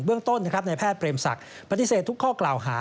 เรื่องต้นในแพทย์เปรมศักดิ์ปฏิเสธทุกข้อกล่าวหา